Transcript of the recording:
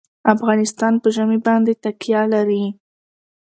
افغانستان په ژمی باندې تکیه لري.